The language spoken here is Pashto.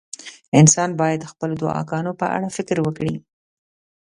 انسان باید د خپلو دعاګانو په اړه فکر وکړي.